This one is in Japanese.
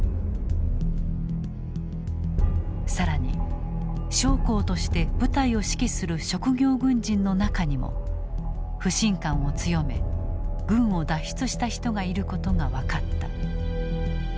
更に将校として部隊を指揮する職業軍人の中にも不信感を強め軍を脱出した人がいることが分かった。